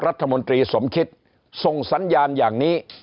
เพราะรัฐมนตรีสมคิดทรงสัญญาณอย่างนี้